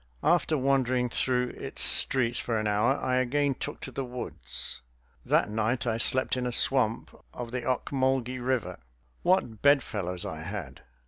After wandering through its streets for an hour I again took to the woods. That night I slept in a swamp of the Ocmulgee River. What bedfellows I had!